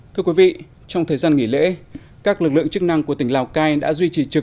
thưa quý vị trong thời gian nghỉ lễ các lực lượng chức năng của tỉnh lào cai đã duy trì trực như ngày thường